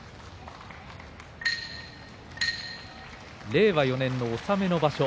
令和４年の納めの場所